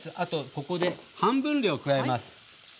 ここで半分量加えます。